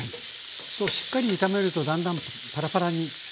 しっかり炒めるとだんだんパラパラになってきますかね？